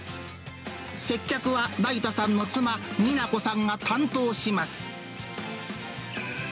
接客は大太さんの妻、美奈子さんが担当します。